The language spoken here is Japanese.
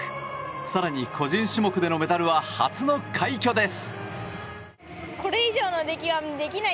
更に個人種目でメダルは初の快挙です。